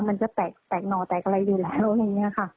มันจะแตกหน่อแตกอะไรอยู่แล้ว